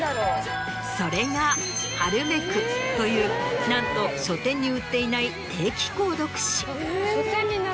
それが『ハルメク』というなんと書店に売ってない定期購読誌。